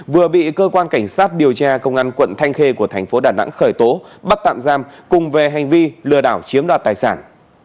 vừa bị cơ quan cảnh sát điều tra công an quận thanh khê của thành phố đà nẵng khởi tố bắt tạm giam cùng về hành vi lừa đảo chiếm đoạt tài sản